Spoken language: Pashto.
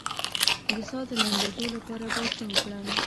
د ساه د لنډیدو لپاره باید څه وکړم؟